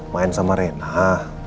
main sama rena